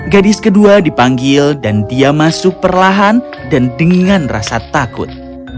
gadis kedua dipanggil dan dia masuk perlahan dan dengan rasa takut